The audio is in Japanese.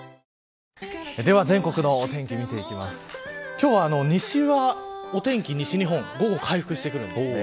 今日は西はお天気、西日本午後回復してくるんですね。